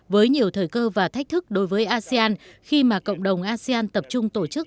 với nhiều thời cơ và thách thức đối với asean khi mà cộng đồng asean tập trung tổ chức